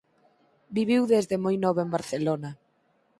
Viviu desde moi novo en Barcelona.